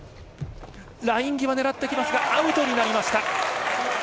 ライン際を狙ってきますがアウトになりました。